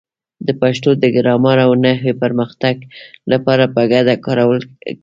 د پښتو د ګرامر او نحوې پرمختګ لپاره په ګډه کار کول اړین دي.